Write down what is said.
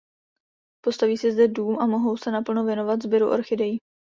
Postaví si zde dům a mohou se naplno věnovat sběru orchidejí.